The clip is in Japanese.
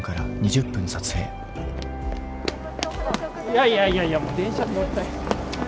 いやいやいやいやもう電車に乗りたい。